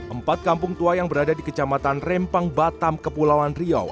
empat kampung tua yang berada di kecamatan rempang batam kepulauan riau